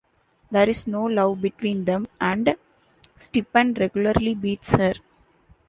There is no love between them and Stepan regularly beats her.